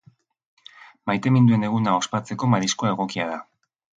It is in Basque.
Maiteminduen eguna ospatzeko mariskoa egokia da.